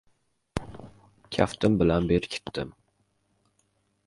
Kaftim bilan bekitdim.